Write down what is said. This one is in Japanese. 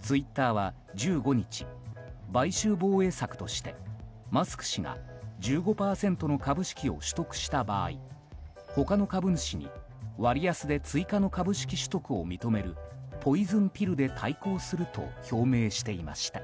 ツイッターは１５日買収防衛策としてマスク氏が１５％の株式を取得した場合他の株主に割安で追加の株式取得を認めるポイズンピルで対抗すると表明していました。